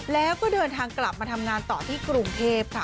แล้วก็เดินทางกลับมาทำงานต่อที่กรุงเทพค่ะ